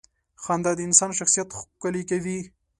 • خندا د انسان شخصیت ښکلې کوي.